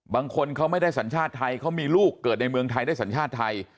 บางคนเขาไม่ได้สัญชาติไทยเขามีลูกเกิดในเมืองไทยได้สัญชาติไทย